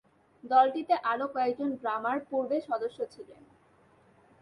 দলটিতে আরও কয়েকজন ড্রামার পূর্বে সদস্য ছিলেন।